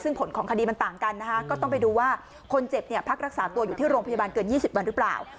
ซึ่งผลของคดีมันต่างกันนะคะก็ต้องไปดูว่าคนเจ็บเนี่ยพักรักษาตัวอยู่ที่โรงพยาบาลเกิน๒๐วันหรือเปล่า